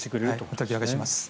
おたき上げします。